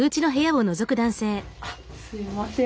あっすみません。